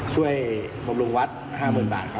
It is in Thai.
ช่วยบำรุงวัฒน์๕๐๐๐๐บาทครับ